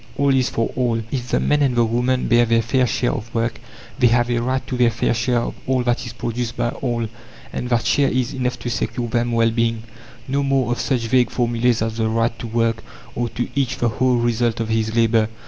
All is for all! If the man and the woman bear their fair share of work, they have a right to their fair share of all that is produced by all, and that share is enough to secure them well being. No more of such vague formulas as "The right to work," or "To each the whole result of his labour."